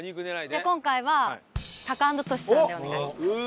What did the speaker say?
じゃあ今回はタカアンドトシさんでお願いします。